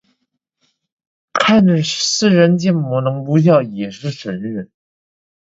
看着似人建模能不笑也是神人